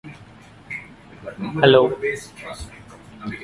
They were released after international protests, especially from the Czech Republic.